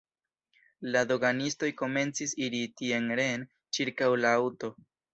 La doganistoj komencis iri tien-reen ĉirkaŭ la aŭto.